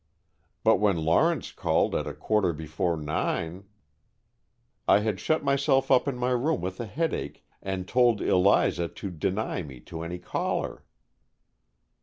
"But when Lawrence called at a quarter before nine, " "I had shut myself up in my room with a headache, and told Eliza to deny me to any caller."